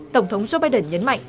tổng thống joe biden nhấn mạnh